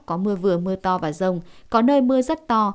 có mưa vừa mưa to và rông có nơi mưa rất to